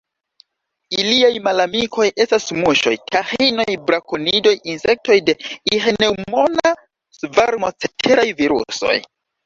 Iliaj malamikoj estas muŝoj, taĥinoj, brakonidoj, insektoj de iĥneŭmona svarmo, ceteraj virusoj.